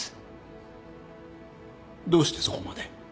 どうしてそこまで。